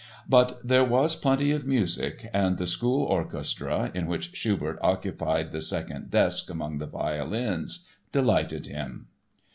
But there was plenty of music and the school orchestra, in which Schubert occupied the second desk among the violins, delighted him.